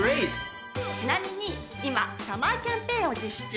ちなみに今サマーキャンペーンを実施中。